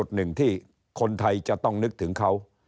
หนึ่งที่คนไทยจะต้องนึกถึงเขา